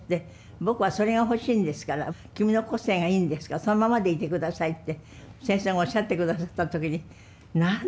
「僕はそれが欲しいんですから君の個性がいいんですからそのままでいてください」って先生がおっしゃってくださった時に何だ